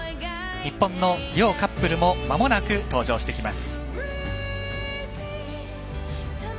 日本の両カップルもまもなく登場してきます。